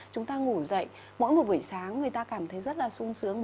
chúng ta ngủ dậy mỗi một buổi sáng người ta cảm thấy rất là sung sướng